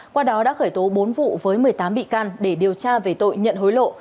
qua đó đã khởi tố bốn vụ với một mươi tám bị can để điều tra về tội nhận hối lộ